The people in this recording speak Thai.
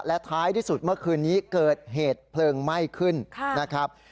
และท้ายที่สุดเมื่อคืนนี้เกิดเหตุเพลิงไหม้ขึ้นนะครับ